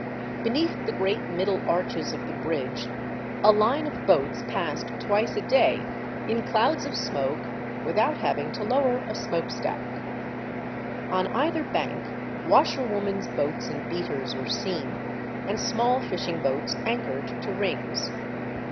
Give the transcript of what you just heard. Beneath the great middle arches of the bridge, a line of boats passed twice a day, in clouds of smoke, without having to lower a smoke stack. On either bank, washerwomen's boats and beaters were seen, and small fishing boats anchored to rings.